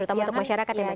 terutama untuk masyarakat ya